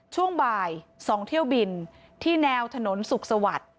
ช่วงบ่าย๒เที่ยวบินที่แนวถนนสุขสวัสดิ์